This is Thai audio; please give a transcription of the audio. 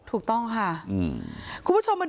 ถูกต้องค่ะ